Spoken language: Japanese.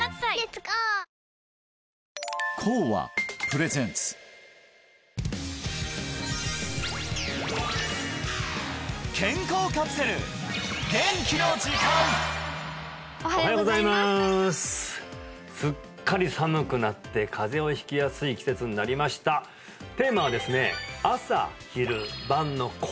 おはようございますおはようございますすっかり寒くなって風邪をひきやすい季節になりましたテーマはですね